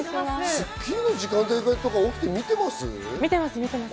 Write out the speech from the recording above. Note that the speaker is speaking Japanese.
『スッキリ』の時間帯とか起きて見てます？